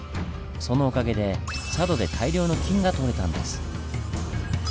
そのおかげで佐渡で大量の金がとれたんです。